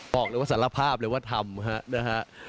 บอกเลยว่าสารภาพเลยว่าทำฮะนะฮะ